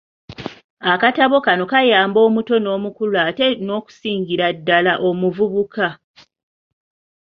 Akatabo kano kayamba omuto n’omukulu ate n’okusingira ddala omuvubuka.